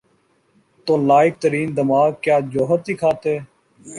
تو لائق ترین دماغ کیا جوہر دکھاتے؟